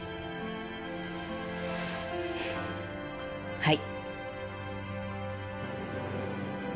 はい。